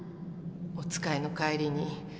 お使いの帰りに。